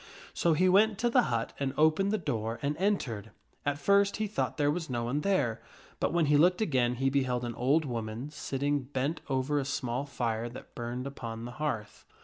So he went to the hut and opened the door and entered. At first he thought there was no one there, but when he looked again he beheld an old woman sitting bent over a small fire that burned upon the Arthur hearth.